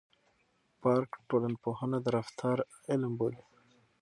پارک ټولنپوهنه د رفتار علم بولي.